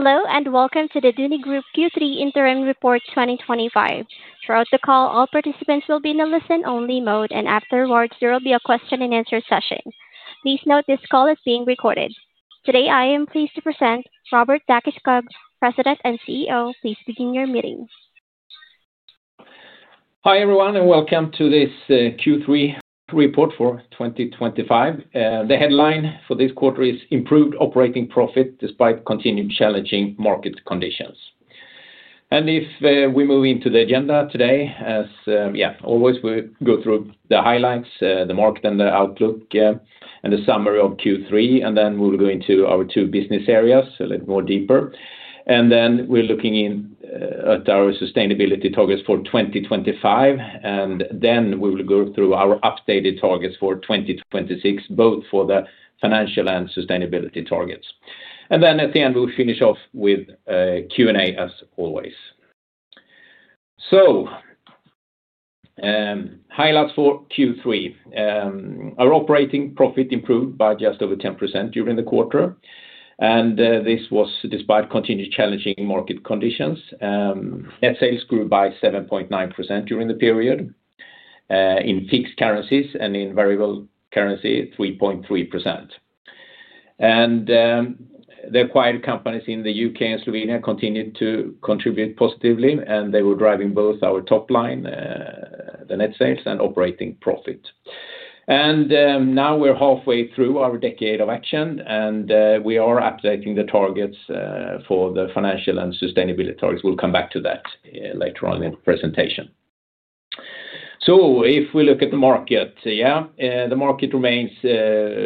Hello, and welcome to the Duni Group Q3 Interim Report 2025. Throughout the call, all participants will be in a listen-only mode, and afterwards, there will be a question-and-answer session. Please note this call is being recorded. Today, I am pleased to present Robert Dackeskog, President and CEO. Please begin your meeting. Hi, everyone, and welcome to this Q3 report for 2025. The headline for this quarter is "Improved Operating Profit Despite Continued Challenging Market Conditions." If we move into the agenda today, as always, we go through the highlights, the market and the outlook, and the summary of Q3, then we will go into our two business areas a little more deeper. We are looking in at our sustainability targets for 2025, and then we will go through our updated targets for 2026, both for the financial and sustainability targets. At the end, we'll finish off with a Q&A, as always. Highlights for Q3: Our operating profit improved by just over 10% during the quarter, and this was despite continued challenging market conditions. Net sales grew by 7.9% during the period, in fixed currencies, and in variable currency, 3.3%. The acquired companies in the U.K. and Slovenia continued to contribute positively, and they were driving both our top line, the net sales, and operating profit. Now we're halfway through our decade of action, and we are updating the targets for the financial and sustainability targets. We'll come back to that later on in the presentation. If we look at the market, the market remains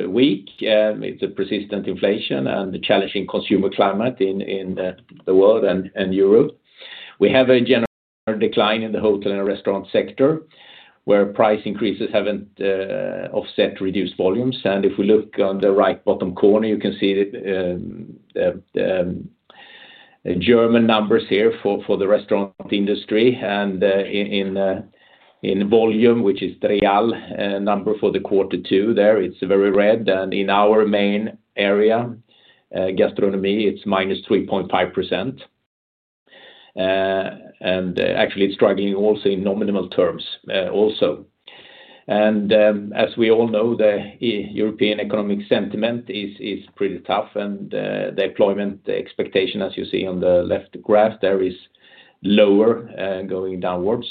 weak. It's a persistent inflation and a challenging consumer climate in the world and Europe. We have a general decline in the hotel and restaurant sector, where price increases haven't offset reduced volumes. If we look on the right bottom corner, you can see the German numbers here for the restaurant industry. In volume, which is the real number for the quarter two there, it's very red. In our main area, gastronomy, it's minus 3.5%. Actually, it's struggling also in nominal terms also. As we all know, the European economic sentiment is pretty tough, and the employment expectation, as you see on the left graph, there is lower going downwards.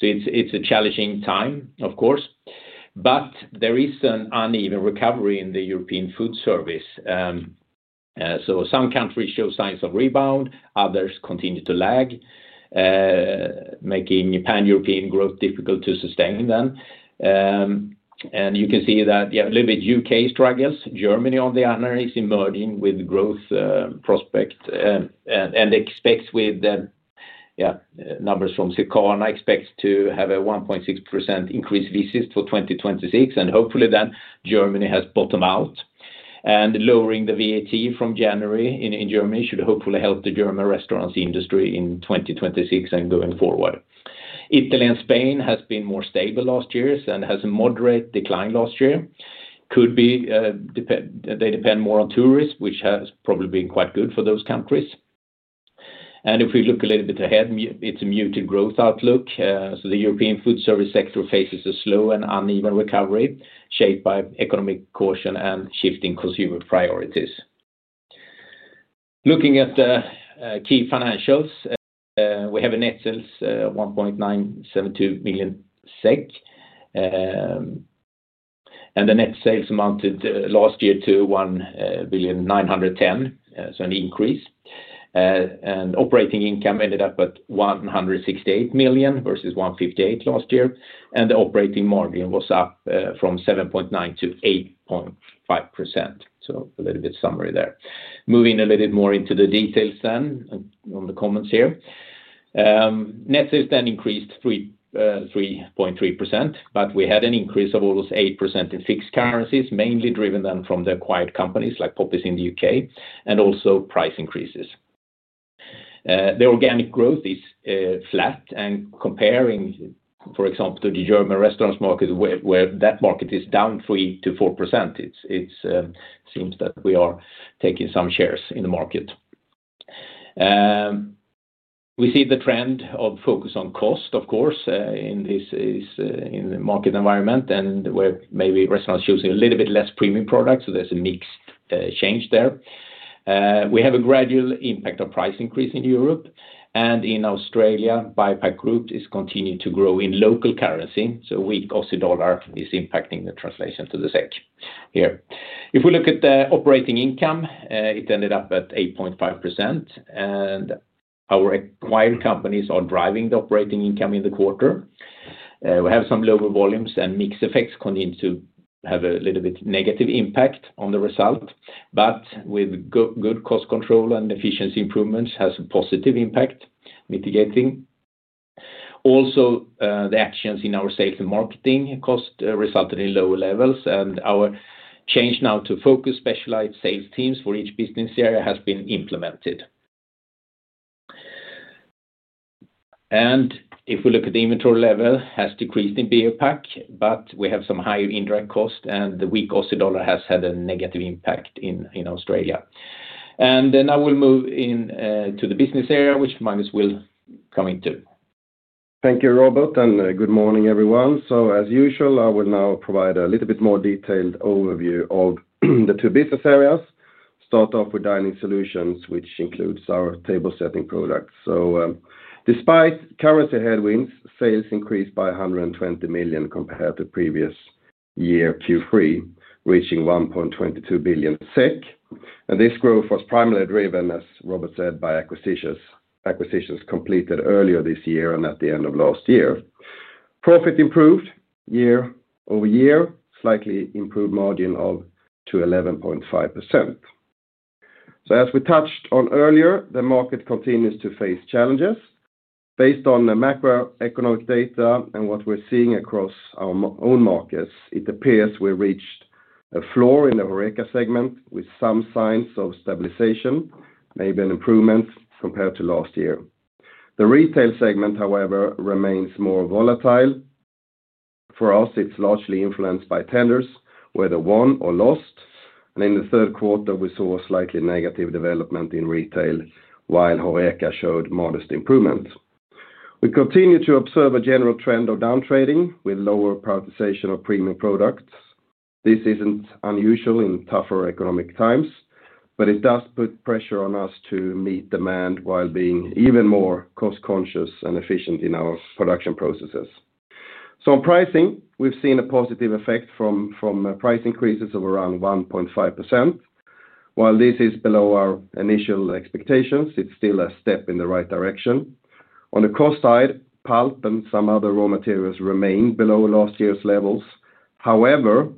It's a challenging time, of course. There is an uneven recovery in the European food service. Some countries show signs of rebound, others continue to lag, making pan-European growth difficult to sustain. You can see that the U.K. struggles a little bit. Germany, on the other, is emerging with growth prospects and expects, with numbers from SECARNA, to have a 1.6% increase visas for 2026. Hopefully, then Germany has bottomed out. Lowering the VAT from January in Germany should hopefully help the German restaurants' industry in 2026 and going forward. Italy and Spain have been more stable last year and had a moderate decline last year. It could be they depend more on tourism, which has probably been quite good for those countries. If we look a little bit ahead, it's a muted growth outlook. The European food service sector faces a slow and uneven recovery shaped by economic caution and shifting consumer priorities. Looking at the key financials, we have net sales of 1,972 million SEK, and the net sales amounted last year to 1,910 million, so an increase. Operating income ended up at 168 million versus 158 million last year. The operating margin was up from 7.9% to 8.5%. A little bit of summary there. Moving a little bit more into the details on the comments here. Net sales then increased 3.3%, but we had an increase of almost 8% in fixed currencies, mainly driven by the acquired companies like Poppies in the U.K. and also price increases. The organic growth is flat, and comparing, for example, to the German restaurants market where that market is down 3%-4%, it seems that we are taking some shares in the market. We see the trend of focus on cost, of course, in this market environment and where maybe restaurants are choosing a little bit less premium products, so there's a mix change there. We have a gradual impact of price increase in Europe, and in Australia, BioPak groups continue to grow in local currency. The weak Aussie dollar is impacting the translation to the SEK here. If we look at the operating income, it ended up at 8.5%, and our acquired companies are driving the operating income in the quarter. We have some lower volumes, and mix effects continue to have a little bit negative impact on the result, but with good cost control and efficiency improvements, it has a positive impact mitigating. Also, the actions in our sales and marketing cost resulted in lower levels, and our change now to focus specialized sales teams for each business area has been implemented. If we look at the inventory level, it has decreased in BioPak, but we have some higher indirect costs, and the weak Aussie dollar has had a negative impact in Australia. Now we'll move into the business area, which Magnus will come into. Thank you, Robert, and good morning, everyone. As usual, I will now provide a little bit more detailed overview of the two business areas. Start off with Dining Solutions, which includes our table setting products. Despite currency headwinds, sales increased by 120 million compared to previous year Q3, reaching 1.22 billion SEK. This growth was primarily driven, as Robert said, by acquisitions completed earlier this year and at the end of last year. Profit improved year over year, with a slightly improved margin of 11.5%. As we touched on earlier, the market continues to face challenges. Based on the macroeconomic data and what we're seeing across our own markets, it appears we reached a floor in the Horeca segment with some signs of stabilization, maybe an improvement compared to last year. The retail segment, however, remains more volatile. For us, it's largely influenced by tenders, whether won or lost. In the third quarter, we saw a slightly negative development in retail, while Horeca showed modest improvements. We continue to observe a general trend of downtrending with lower prioritization of premium products. This isn't unusual in tougher economic times, but it does put pressure on us to meet demand while being even more cost-conscious and efficient in our production processes. On pricing, we've seen a positive effect from price increases of around 1.5%. While this is below our initial expectations, it's still a step in the right direction. On the cost side, pulp and some other raw materials remain below last year's levels. However,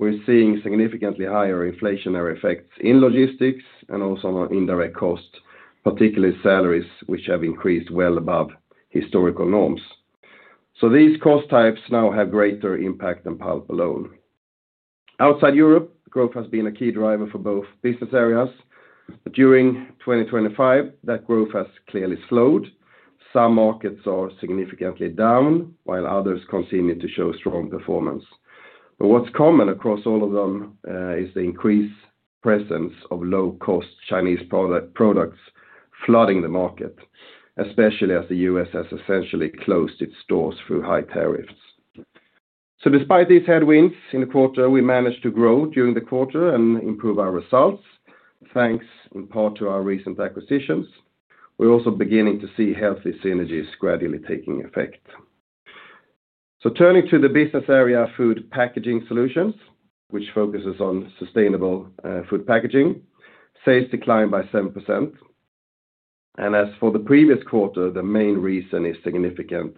we're seeing significantly higher inflationary effects in logistics and also on indirect costs, particularly salaries, which have increased well above historical norms. These cost types now have greater impact than pulp alone. Outside Europe, growth has been a key driver for both business areas. During 2025, that growth has clearly slowed. Some markets are significantly down, while others continue to show strong performance. What's common across all of them is the increased presence of low-cost Chinese products flooding the market, especially as the U.S. has essentially closed its stores through high tariffs. Despite these headwinds in the quarter, we managed to grow during the quarter and improve our results, thanks in part to our recent acquisitions. We're also beginning to see healthy synergies gradually taking effect. Turning to the business area of food packaging solutions, which focuses on sustainable food packaging, sales declined by 7%. As for the previous quarter, the main reason is significant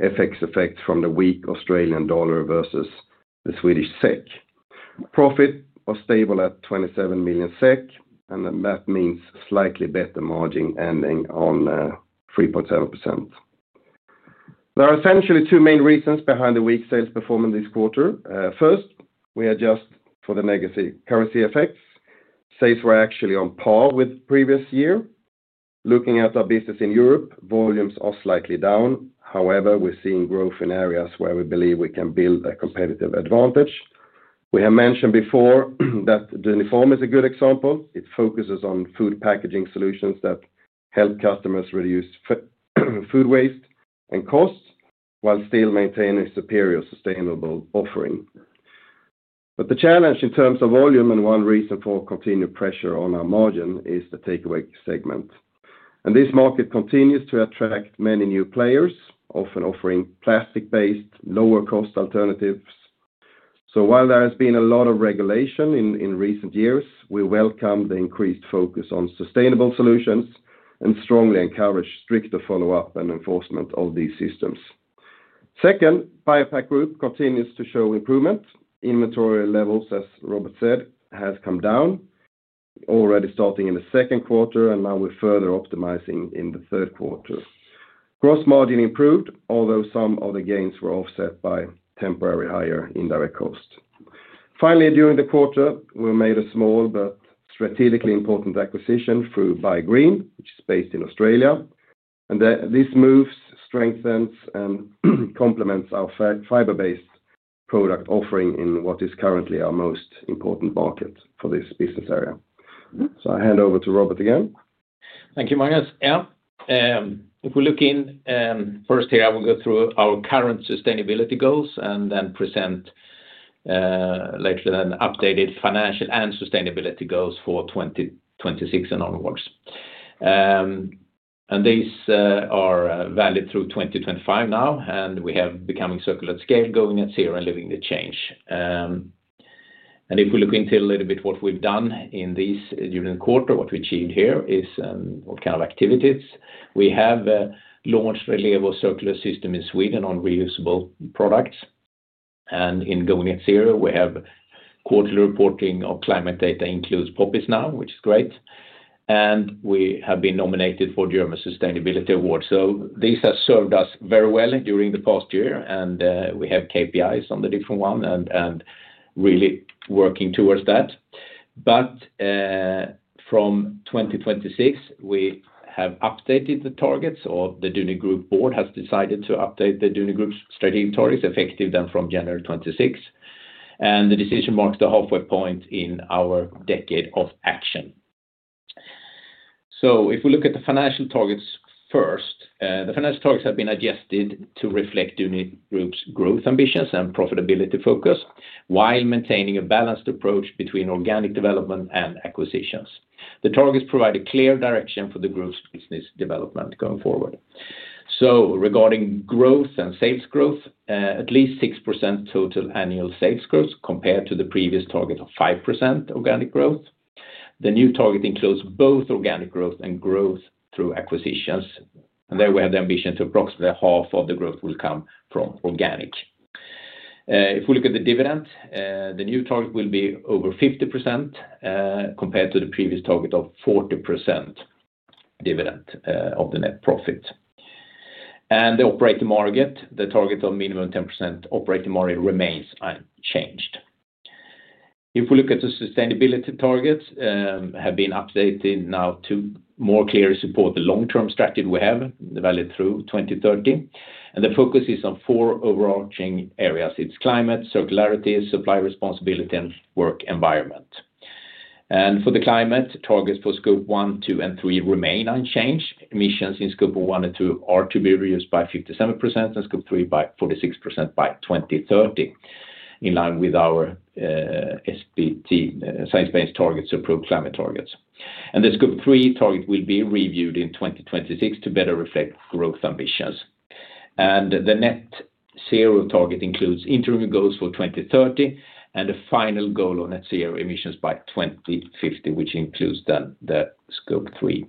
FX effects from the weak Australian dollar versus the Swedish SEK. Profit was stable at 27 million SEK, and that means slightly better margin ending on 3.7%. There are essentially two main reasons behind the weak sales performance this quarter. First, we adjust for the negative currency effects. Sales were actually on par with the previous year. Looking at our business in Europe, volumes are slightly down. However, we're seeing growth in areas where we believe we can build a competitive advantage. We have mentioned before that DuniForm is a good example. It focuses on food packaging solutions that help customers reduce food waste and cost while still maintaining a superior sustainable offering. The challenge in terms of volume and one reason for continued pressure on our margin is the takeaway segment. This market continues to attract many new players, often offering plastic-based, lower-cost alternatives. While there has been a lot of regulation in recent years, we welcome the increased focus on sustainable solutions and strongly encourage stricter follow-up and enforcement of these systems. Second, BioPak Group continues to show improvement. Inventory levels, as Robert said, have come down, already starting in the second quarter, and now we're further optimizing in the third quarter. Gross margin improved, although some of the gains were offset by temporary higher indirect costs. Finally, during the quarter, we made a small but strategically important acquisition through BuyGreen, which is based in Australia. This move strengthens and complements our fiber-based product offering in what is currently our most important market for this business area. I hand over to Robert again. Thank you, Magnus. If we look in first here, I will go through our current sustainability goals and then present later an updated financial and sustainability goals for 2026 and onwards. These are valid through 2025 now, and we have becoming circular at scale, going at zero and living the change. If we look into a little bit what we've done in this during the quarter, what we achieved here is what kind of activities we have. We have launched a reliable circular system in Sweden on reusable products. In going at zero, we have quarterly reporting of climate data, includes Poppies now, which is great. We have been nominated for the German Sustainability Award. These have served us very well during the past year, and we have KPIs on the different ones and really working towards that. From 2026, we have updated the targets, or the Duni Group board has decided to update the Duni Group's strategic targets effective then from January 2026. The decision marks the halfway point in our decade of action. If we look at the financial targets first, the financial targets have been adjusted to reflect Duni Group's growth ambitions and profitability focus, while maintaining a balanced approach between organic development and acquisitions. The targets provide a clear direction for the group's business development going forward. Regarding growth and sales growth, at least 6% total annual sales growth compared to the previous target of 5% organic growth. The new target includes both organic growth and growth through acquisitions. There we have the ambition to approximate half of the growth will come from organic. If we look at the dividend, the new target will be over 50% compared to the previous target of 40% dividend of the net profit. The operating margin, the target of minimum 10% operating margin remains unchanged. If we look at the sustainability targets, they have been updated now to more clearly support the long-term strategy we have valid through 2030. The focus is on four overarching areas: climate, circularity, supply responsibility, and work environment. For the climate, targets for scope one, two, and three remain unchanged. Emissions in scope one and two are to be reduced by 57% and scope three by 46% by 2030, in line with our science-based targets to approve climate targets. The scope three target will be reviewed in 2026 to better reflect growth ambitions. The net zero target includes interim goals for 2030 and a final goal on net zero emissions by 2050, which includes the scope three.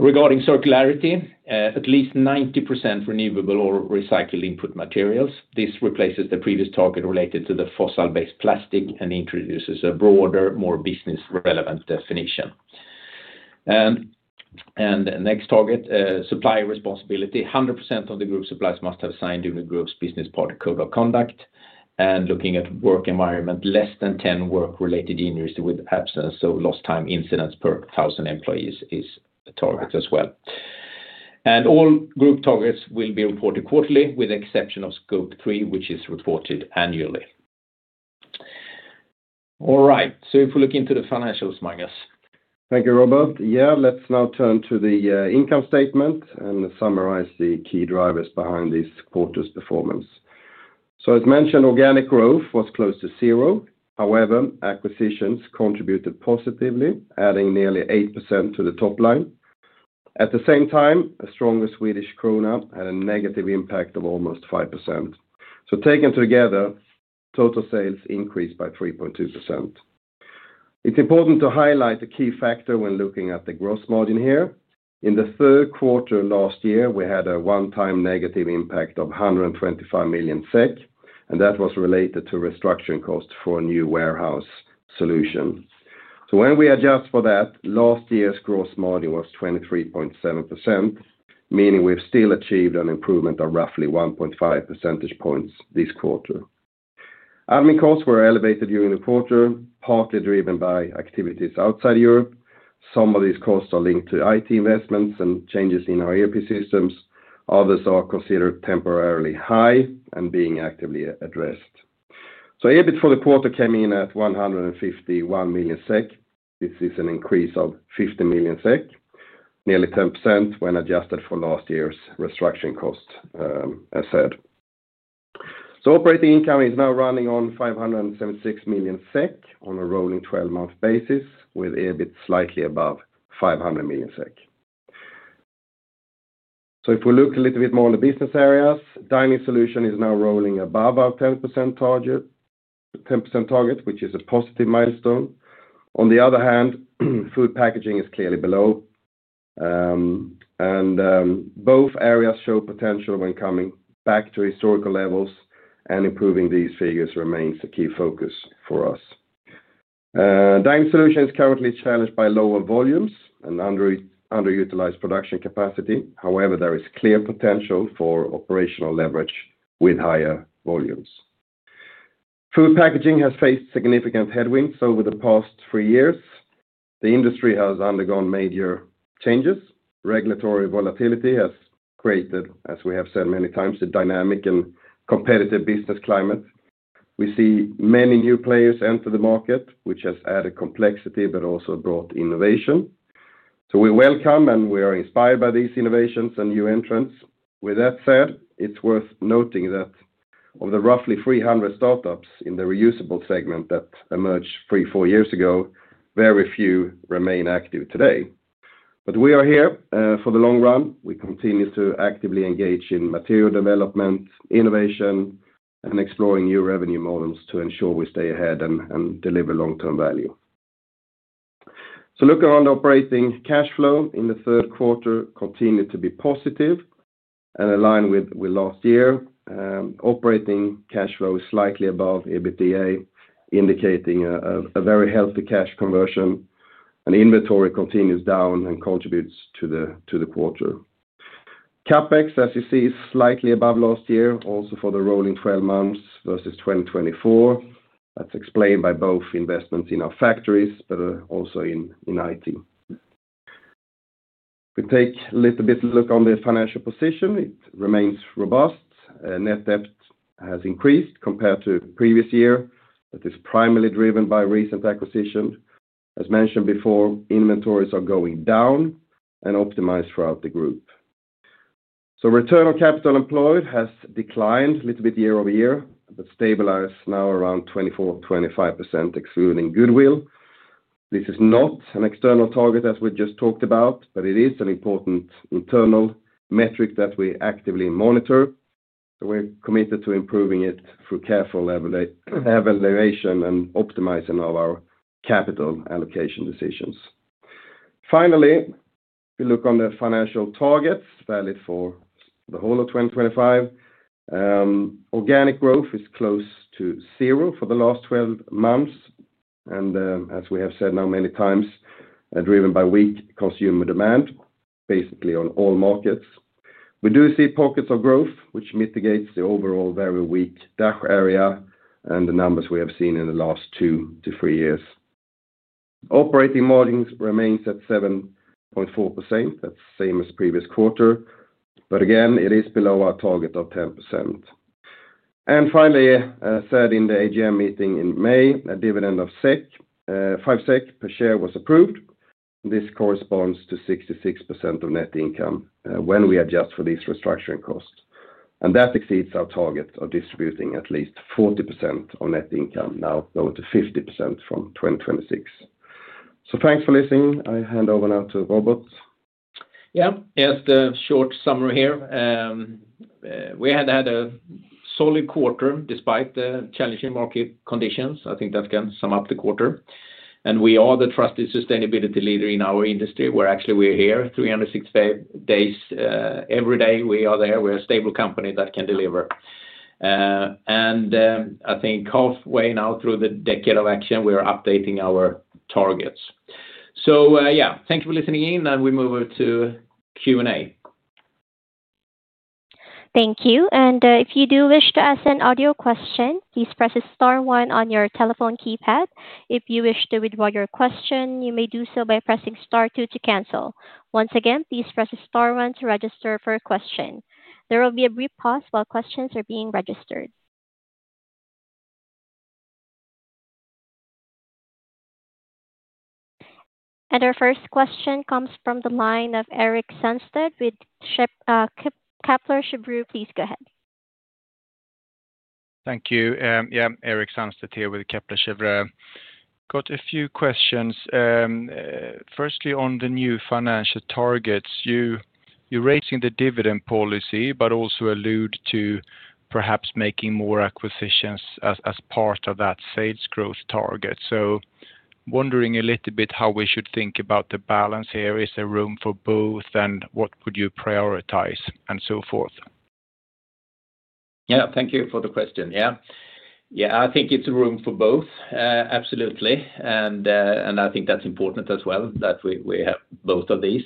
Regarding circularity, at least 90% renewable or recycled input materials. This replaces the previous target related to the fossil-based plastic and introduces a broader, more business-relevant definition. The next target, supplier responsibility, 100% of the group suppliers must have signed Duni Group's business partner code of conduct. Looking at work environment, less than 10 work-related injuries with absence, so lost time incidents per 1,000 employees is a target as well. All group targets will be reported quarterly, with the exception of scope three, which is reported annually. All right, if we look into the financials, Magnus. Thank you, Robert. Let's now turn to the income statement and summarize the key drivers behind this quarter's performance. As mentioned, organic growth was close to zero. However, acquisitions contributed positively, adding nearly 8% to the top line. At the same time, a stronger Swedish krona had a negative impact of almost 5%. Taken together, total sales increased by 3.2%. It's important to highlight a key factor when looking at the gross margin here. In the third quarter last year, we had a one-time negative impact of 125 million SEK, and that was related to restructuring costs for a new warehouse solution. When we adjust for that, last year's gross margin was 23.7%, meaning we've still achieved an improvement of roughly 1.5 percentage points this quarter. Admin costs were elevated during the quarter, partly driven by activities outside Europe. Some of these costs are linked to IT investments and changes in our ERP systems. Others are considered temporarily high and being actively addressed. EBIT for the quarter came in at 151 million SEK. This is an increase of 50 million SEK, nearly 10% when adjusted for last year's restructuring costs, as said. Operating income is now running on 576 million SEK on a rolling 12-month basis, with EBIT slightly above 500 million SEK. If we look a little bit more on the business areas, Dining Solutions is now rolling above our 10% target, which is a positive milestone. On the other hand, food packaging is clearly below. Both areas show potential when coming back to historical levels, and improving these figures remains a key focus for us. Dining Solutions is currently challenged by lower volumes and underutilized production capacity. However, there is clear potential for operational leverage with higher volumes. Food packaging has faced significant headwinds over the past three years. The industry has undergone major changes. Regulatory volatility has created, as we have said many times, a dynamic and competitive business climate. We see many new players enter the market, which has added complexity but also brought innovation. We welcome and we are inspired by these innovations and new entrants. With that said, it's worth noting that of the roughly 300 startups in the reusable segment that emerged three or four years ago, very few remain active today. We are here for the long run. We continue to actively engage in material development, innovation, and exploring new revenue models to ensure we stay ahead and deliver long-term value. Looking on the operating cash flow, in the third quarter, it continues to be positive and aligned with last year. Operating cash flow is slightly above EBITDA, indicating a very healthy cash conversion. Inventory continues down and contributes to the quarter. CapEx, as you see, is slightly above last year, also for the rolling 12 months versus 2024. That is explained by both investments in our factories, but also in IT. If we take a little bit of a look on the financial position, it remains robust. Net debt has increased compared to the previous year. That is primarily driven by recent acquisition. As mentioned before, inventories are going down and optimized throughout the group. Return on capital employed has declined a little bit year over year, but stabilized now around 24%-25%, excluding goodwill. This is not an external target, as we just talked about, but it is an important internal metric that we actively monitor. We are committed to improving it through careful evaluation and optimizing of our capital allocation decisions. Finally, if we look on the financial targets valid for the whole of 2025, organic growth is close to zero for the last 12 months. As we have said now many times, driven by weak consumer demand, basically on all markets. We do see pockets of growth, which mitigates the overall very weak DACH area and the numbers we have seen in the last two to three years. Operating margins remain at 7.4%. That's the same as the previous quarter. It is below our target of 10%. As said in the AGM meeting in May, a dividend of 5 SEK per share was approved. This corresponds to 66% of net income when we adjust for these restructuring costs. That exceeds our target of distributing at least 40% of net income, now going to 50% from 2026. Thanks for listening. I hand over now to Robert. Just a short summary here. We had a solid quarter despite the challenging market conditions. I think that can sum up the quarter. We are the trusted sustainability leader in our industry. We're actually, we're here 365 days. Every day we are there. We're a stable company that can deliver. I think halfway now through the decade of action, we are updating our targets. Thank you for listening in. We move over to Q&A. Thank you. If you do wish to ask an audio question, please press star one on your telephone keypad. If you wish to withdraw your question, you may do so by pressing star two to cancel. Once again, please press star one to register for a question. There will be a brief pause while questions are being registered. Our first question comes from the line of Erik Sandstedt with Kepler Cheuvreux. Please go ahead. Thank you. Yeah, Erik Sandstedt here with Kepler Cheuvreux. Got a few questions. Firstly, on the new financial targets, you're raising the dividend policy, but also allude to perhaps making more acquisitions as part of that sales growth target. Wondering a little bit how we should think about the balance here. Is there room for both, and what would you prioritize and so forth? Thank you for the question. I think it's room for both, absolutely. I think that's important as well that we have both of these.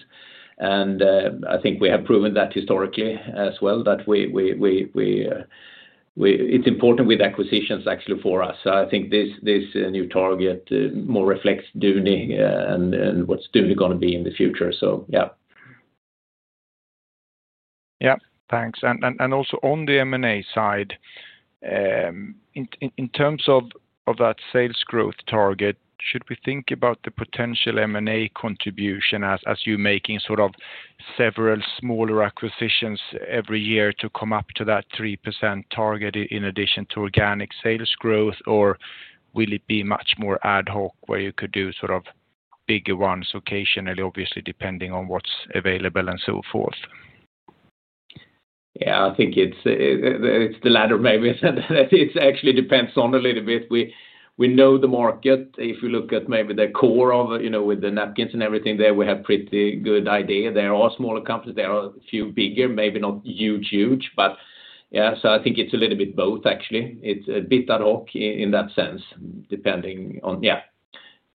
I think we have proven that historically as well that it's important with acquisitions actually for us. I think this new target more reflects Duni and what's Duni going to be in the future. Thanks. Also on the M&A side, in terms of that sales growth target, should we think about the potential M&A contribution as you're making sort of several smaller acquisitions every year to come up to that 3% target in addition to organic sales growth, or will it be much more ad hoc where you could do sort of bigger ones occasionally, obviously depending on what's available and so forth? I think it's the latter maybe. It actually depends on a little bit. We know the market. If you look at maybe the core of, you know, with the napkins and everything there, we have a pretty good idea. There are smaller companies. There are a few bigger, maybe not huge, huge, but yeah, so I think it's a little bit both actually. It's a bit ad hoc in that sense depending on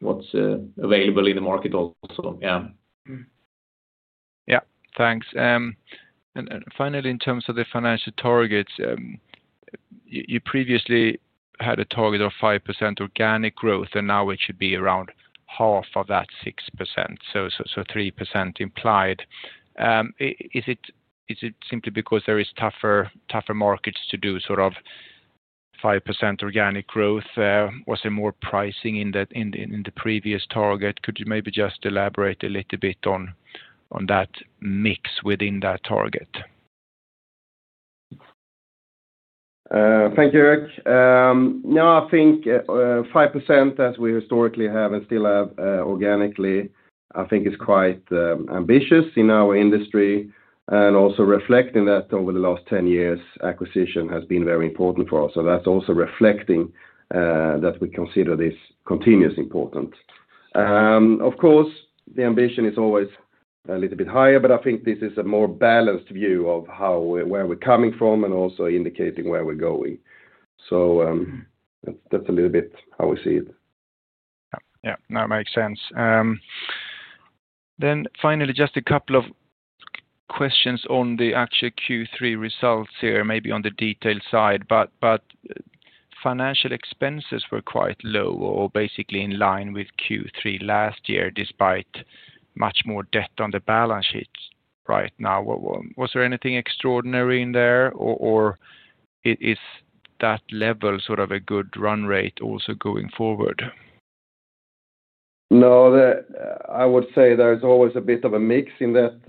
what's available in the market also. Thanks. Finally, in terms of the financial targets, you previously had a target of 5% organic growth, and now it should be around half of that 6%. So, 3% implied. Is it simply because there are tougher markets to do sort of 5% organic growth? Was there more pricing in the previous target? Could you maybe just elaborate a little bit on that mix within that target? Thank you, Erik. No, I think 5% as we historically have and still have organically, I think is quite ambitious in our industry and also reflecting that over the last 10 years, acquisition has been very important for us. That's also reflecting that we consider this continuous importance. Of course, the ambition is always a little bit higher, but I think this is a more balanced view of where we're coming from and also indicating where we're going. That's a little bit how we see it. Yeah, that makes sense. Finally, just a couple of questions on the actual Q3 results here, maybe on the detailed side, but financial expenses were quite low or basically in line with Q3 last year despite much more debt on the balance sheets right now. Was there anything extraordinary in there, or is that level sort of a good run rate also going forward? No, I would say there's always a bit of a mix in that.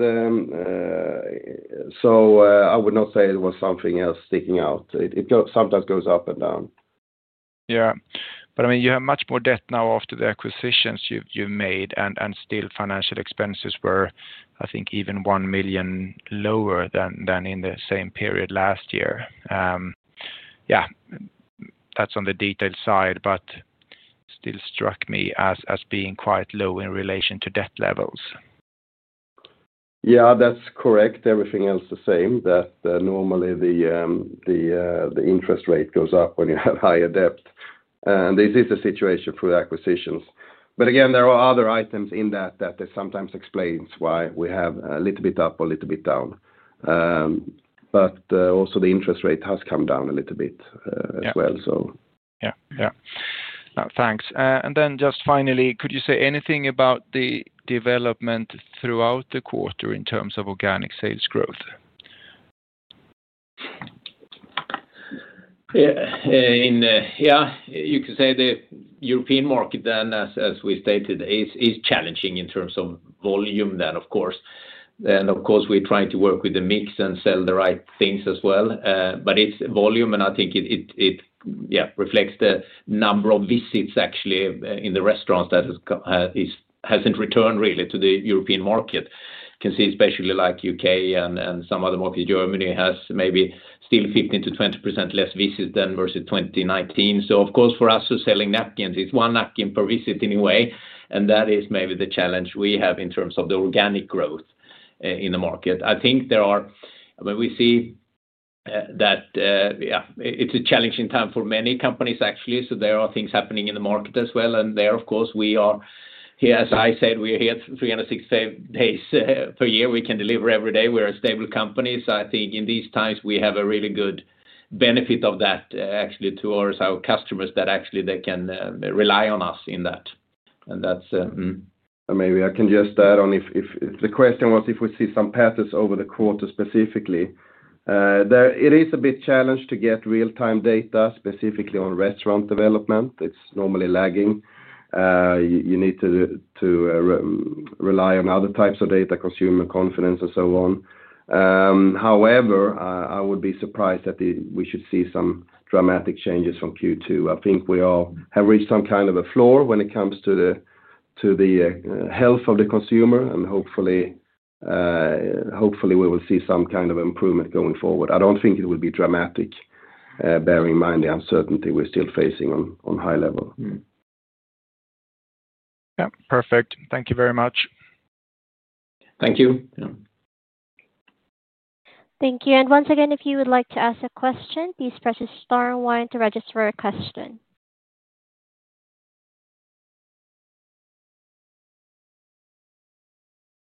I would not say it was something else sticking out. It sometimes goes up and down. You have much more debt now after the acquisitions you've made and still financial expenses were, I think, even $1 million lower than in the same period last year. That's on the detailed side, but still struck me as being quite low in relation to debt levels. That's correct. Everything else is the same, normally the interest rate goes up when you have higher debt. This is a situation for the acquisitions. Again, there are other items in that that sometimes explains why we have a little bit up or a little bit down. Also, the interest rate has come down a little bit as well. Thanks. Finally, could you say anything about the development throughout the quarter in terms of organic sales growth? You can say the European market, as we stated, is challenging in terms of volume. We try to work with the mix and sell the right things as well. It's volume, and I think it reflects the number of visits actually in the restaurants that hasn't returned really to the European market. You can see especially the U.K. and some other markets, Germany has maybe still 15%-20% less visits than versus 2019. For us, selling napkins, it's one napkin per visit anyway. That is maybe the challenge we have in terms of the organic growth in the market. I think there are, I mean, we see that it's a challenging time for many companies actually. There are things happening in the market as well. We are here 365 days per year. We can deliver every day. We're a stable company. In these times, we have a really good benefit of that actually to our customers that they can rely on us in that. Maybe I can just add on if the question was if we see some patterns over the quarter specifically. It is a bit challenging to get real-time data specifically on restaurant development. It's normally lagging. You need to rely on other types of data, consumer confidence, and so on. However, I would be surprised that we should see some dramatic changes from Q2. I think we have reached some kind of a floor when it comes to the health of the consumer. Hopefully, we will see some kind of improvement going forward. I don't think it will be dramatic, bearing in mind the uncertainty we're still facing on high level. Yeah, perfect. Thank you very much. Thank you. Thank you. Once again, if you would like to ask a question, please press star one to register a question.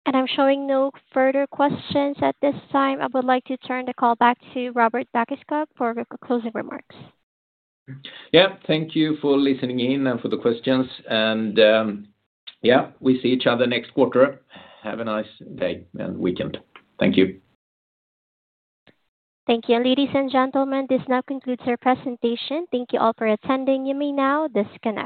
I'm showing no further questions at this time. I would like to turn the call back to Robert Dackeskog for closing remarks. Thank you for listening in and for the questions. We see each other next quarter. Have a nice day and weekend. Thank you. Thank you. Ladies and gentlemen, this now concludes our presentation. Thank you all for attending. You may now disconnect.